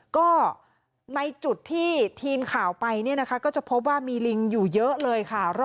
ก็ในจุดที่ทีมข่าวไปเนี่ยนะคะก็จะพบว่ามีลิงอยู่เยอะเลยค่ะ